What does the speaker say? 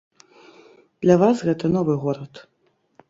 Для вас гэта новы горад.